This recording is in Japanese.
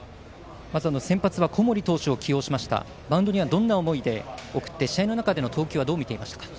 先発は小森投手を起用しましたマウンドにはどんな思いで送って試合の中ではどう見ていましたか。